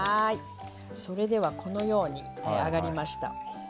それではこのように揚がりました。